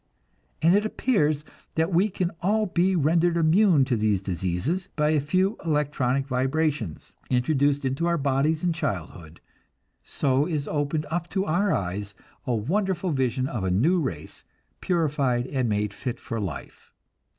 And it appears that we can all be rendered immune to these diseases, by a few electronic vibrations, introduced into our bodies in childhood; so is opened up to our eyes a wonderful vision of a new race, purified and made fit for life.